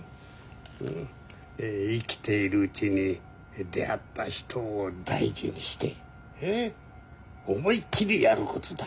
生きているうちに出会った人を大事にして思いっきりやることだ。